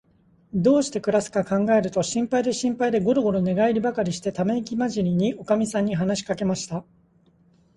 どうしてくらすかかんがえると、心配で心配で、ごろごろ寝がえりばかりして、ためいきまじりに、おかみさんに話しかけました。